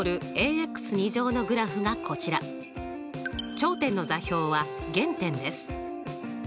頂点の座標は原点です。